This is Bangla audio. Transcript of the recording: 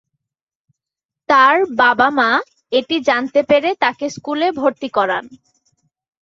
তার বাবা-মা এটি জানতে পেরে তাকে স্কুলে ভর্তি করান।